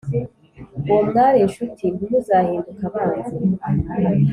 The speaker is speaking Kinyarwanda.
uwo mwari incuti, ntimuzahinduke abanzi